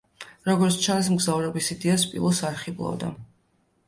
როგორც ჩანს, მგზავრობის იდეა სპილოს არ ხიბლავდა.